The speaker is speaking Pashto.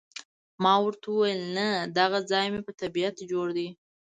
ما ورته وویل، نه، دغه ځای مې په طبیعت جوړ دی.